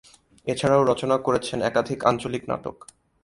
এছাড়াও রচনা করেছেন একাধিক আঞ্চলিক নাটক।